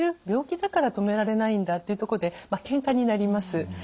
「病気だから止められないんだ」っていうとこでけんかになります。